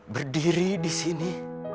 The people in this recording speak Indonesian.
berdiri di sini